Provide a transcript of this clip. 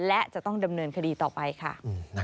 และจะต้องดำเนินคดีต่อไปค่ะ